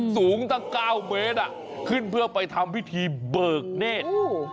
สูงตั้ง๙เมตรขึ้นเพื่อไปทำพิธีเบิกเนธ